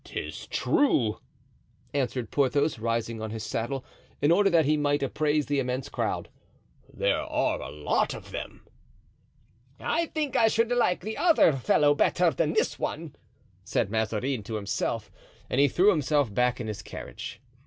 "'Tis true," answered Porthos, rising on his saddle, in order that he might appraise the immense crowd, "there are a lot of them." "I think I should like the other fellow better than this one," said Mazarin to himself, and he threw himself back in his carriage.